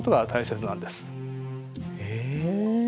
へえ！